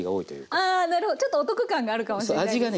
あなるほどちょっとお得感があるかもしれないですね。